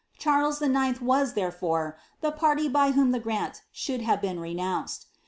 Charles IX. was, therefore, the party by whom the grant should have been renounced.